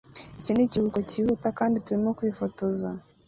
Iki nikiruhuko cyihuta kandi turimo kwifotoza